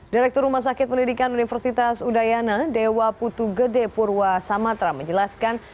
direktur rumah sakit pendidikan universitas udayana dewa putu gede purwasamatra menjelaskan